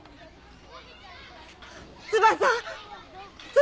翼！